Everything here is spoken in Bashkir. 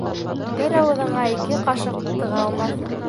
Бер ауыҙыңа ике ҡашыҡ тыға алмаҫһың.